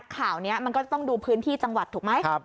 ข่าวนี้มันก็จะต้องดูพื้นที่จังหวัดถูกไหม